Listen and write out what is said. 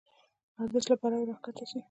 ارزش له پلوه راکښته شي.